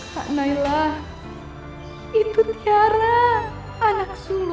kak nailah itu tiara anak sulung aku